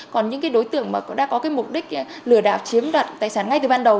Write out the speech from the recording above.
còn những đối tượng đã có mục đích lừa đảo chiếm đoạt tài sản ngay từ ban đầu